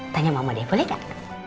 tanya mama deh boleh gak